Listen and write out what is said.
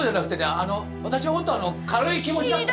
あの私はもっと軽い気持ちだった。